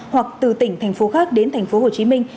hoặc từ tỉnh thành phố khác đến thành phố hồ chí minh